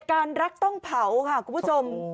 รักต้องเผาค่ะคุณผู้ชม